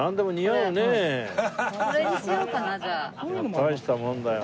大したもんだよ